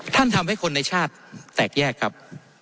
ทำให้คนในชาติแตกแยกครับ